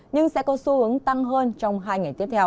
nhưng sẽ có xu hướng tăng hơn trong hai ngày tiếp theo